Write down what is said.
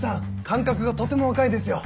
感覚がとても若いですよ。